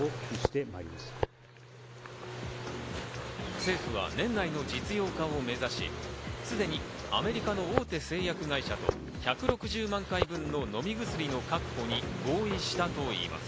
政府は年内の実用化を目指し、すでにアメリカの大手製薬会社と１６０万回分の飲み薬の確保に合意したといいます。